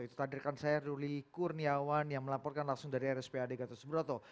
itu tadirkan saya ruli kurniawan yang melaporkan langsung dari rspad gatot suburoto